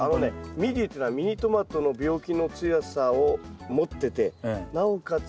ミディっていうのはミニトマトの病気の強さを持っててなおかつ